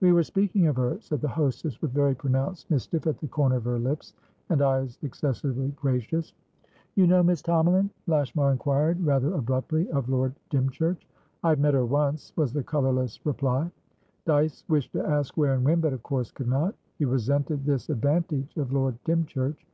"We were speaking of her," said the hostess, with very pronounced mischief at the corner of her lips, and eyes excessively gracious. "You know Miss Tomalin?" Lashmar inquired, rather abruptly, of Lord Dymchurch. "I have met her once," was the colourless reply. Dyce wished to ask where and when, but of course could not. He resented this advantage of Lord Dymchurch.